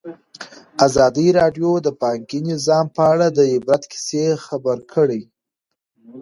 ازادي راډیو د بانکي نظام په اړه د عبرت کیسې خبر کړي.